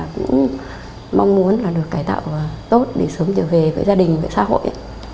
và cũng mong muốn được cải tạo tốt để sớm trở về với gia đình với xã hội